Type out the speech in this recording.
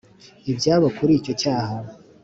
ibyabo kuri icyo cyaha